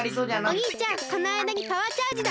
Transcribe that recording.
おにいちゃんこのあいだにパワーチャージだ！